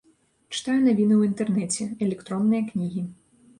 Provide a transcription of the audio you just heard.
Чытаю навіны ў інтэрнэце, электронныя кнігі.